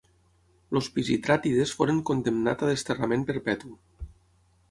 Els Pisistràtides foren condemnat a desterrament perpetu.